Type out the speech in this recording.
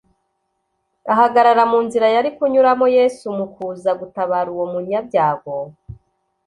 ahagarara mu nzira yari kunyuramo. Yesu mu kuza gutabara uwo munyabyago,